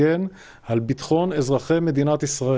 dan melindungi penduduk israel